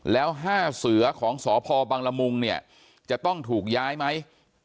แล้ว๕เสือของสพบังละมุงเนี่ยจะต้องถูกย้ายไหม